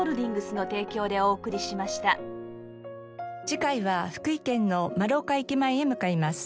次回は福井県の丸岡駅前へ向かいます。